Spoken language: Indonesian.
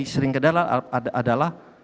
sering terjadi adalah